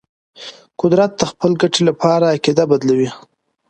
قدرت د خپل ګټې لپاره عقیده بدلوي.